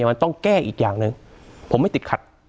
มันต้องแก้อีกอย่างหนึ่งผมไม่ติดขัด